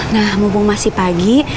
nah mumpung masih pagi